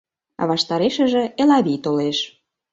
Ваштарешыже Элавий толеш.